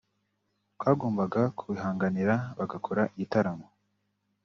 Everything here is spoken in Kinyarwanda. twagombaga kubihanganira bagakora igitaramo”